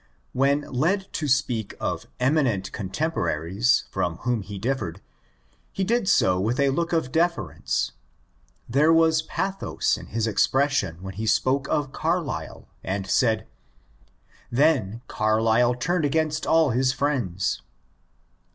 When led to speak of eminent contemporaries from whom he differed, he did so with a look of deference. There was pathos in his expression when he spoke of Carlyle^and said, ^^ Then Carlyle turned against all his friends."